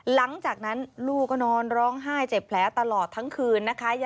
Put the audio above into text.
หลังจากนั้นลูกก็นอนร้องไห้เจ็บแผลตลอดทั้งคืนนะคะ